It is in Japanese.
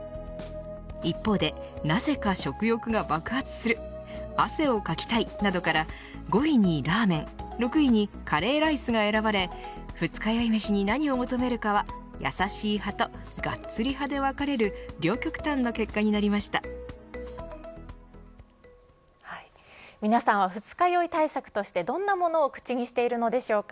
一方でなぜか食欲が爆発する汗をかきたいなどから５位にラーメン６位にカレーライスが選ばれ二日酔いメシに何を求めるかは優しい派とガッツリ派に分かれる皆さんは二日酔い対策としてどんなもの口にしているのでしょうか。